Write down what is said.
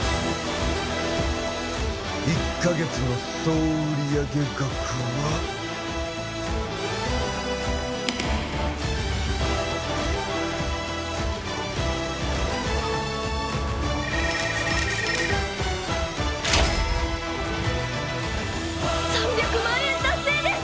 １ヶ月の総売上額は３００万円達成です！